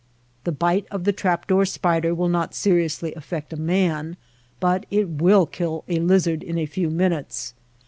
The bite of the trap door spider will not seriously affect a man, but it will kill a lizard in a few minutes.